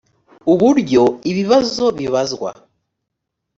uburyo ibibazo bibazwa